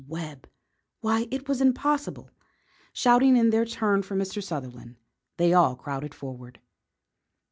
Webb! Why, it was impossible. Shouting in their turn for Mr. Sutherland, they all crowded forward.